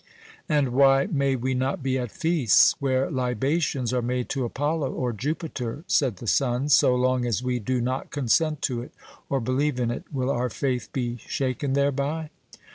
"And why may we not be at feasts where libations are made to Apollo or Jupiter?" said the sons; "so long as we do not consent to it or believe in it, will our faith be shaken thereby?"